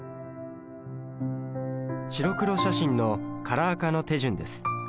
白黒写真のカラー化の手順です。